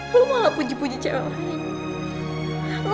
lo malah puji puji cewek lain